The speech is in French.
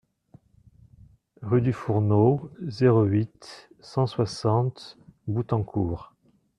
Rue du Fourneau, zéro huit, cent soixante Boutancourt